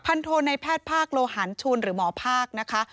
โทในแพทย์ภาคโลหันชูนหรือหมอภาคนะคะ